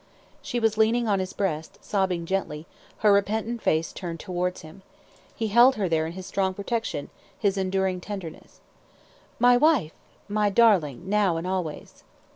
She was leaning on his breast, sobbing gently, her repentant face turned towards him. He held her there in his strong protection, his enduring tenderness. "My wife! My darling! now and always."